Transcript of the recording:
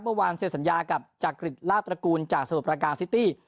เมื่อวานเสร็จสัญญากับจักริจลาบตระกูลจากสมุทรประการซิตี้